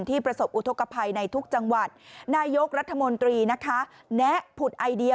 ประสบอุทธกภัยในทุกจังหวัดนายกรัฐมนตรีนะคะแนะผุดไอเดีย